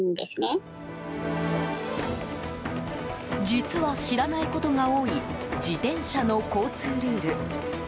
実は知らないことが多い自転車の交通ルール。